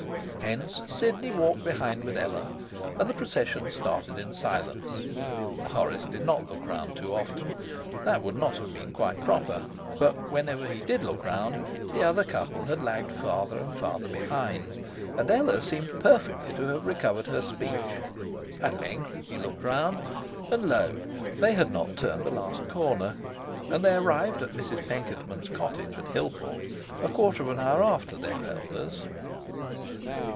Hence Sidney walked behind with Ella, and the procession started in silence. Horace did not look round too often that would not have been quite proper but whenever he did look round the other couple had lagged farther and farther behind, and Ella seemed perfectly to have recovered her speech. At length he looked round, and lo! they had not turned the last corner; and they arrived at Mrs Penkethman's cottage at Hillport a quarter of an hour after their elders.